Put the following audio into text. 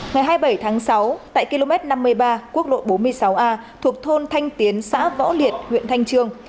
ngày hai mươi bảy tháng sáu tại km năm mươi ba quốc lộ bốn mươi sáu a thuộc thôn thanh tiến xã võ liệt huyện thanh trương